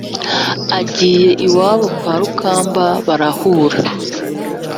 Agiye iwabo kwa Rukamba barahura